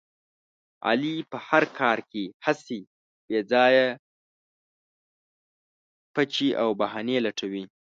علي په هر کار کې هسې بې ځایه پچې او بهانې لټوي.